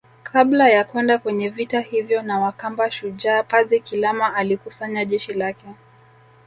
Kabla ya kwenda kwenye vita hivyo na wakamba Shujaa Pazi Kilama alikusanya jeshi lake